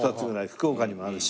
福岡にもあるし。